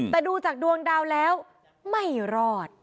แต่ดูจากดวงดาวแล้วไม่รอด